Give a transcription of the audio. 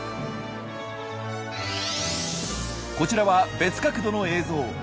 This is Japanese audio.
こちらは別角度の映像。